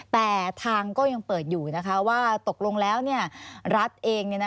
แต่ทางก็ยังเปิดอยู่นะคะว่าตกลงแล้วรัฐเอง